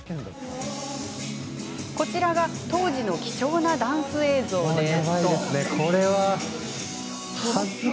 こちらが当時の貴重なダンス映像です。